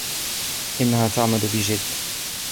إنها تعمل بجد.